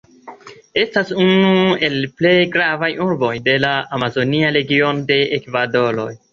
Estas unu el la plej gravaj urboj de la Amazonia Regiono de Ekvadoro.